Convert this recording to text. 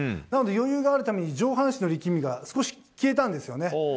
なので余裕があるために上半身の力みが少し消えたんですね。